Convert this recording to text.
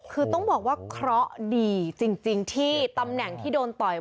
คือต้องบอกว่าเคราะห์ดีจริงที่ตำแหน่งที่โดนต่อย